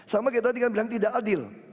sama kayak tadi kan bilang tidak adil